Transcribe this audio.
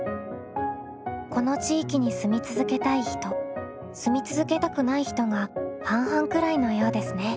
この地域に住み続けたい人住み続けたくない人が半々くらいのようですね。